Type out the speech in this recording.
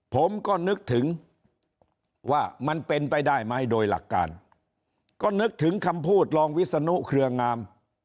ผมก็นึกถึงว่ามันเป็นไปได้ไหมโดยหลักการก็นึกถึงคำพูดรองวิศนุเครืองาม